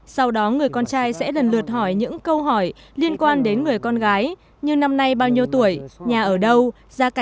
sau đó người con trai sẽ lần lượt hỏi những câu hỏi liên quan đến người con gái như năm nay bao nhiêu tuổi nhà ở đâu gia cảnh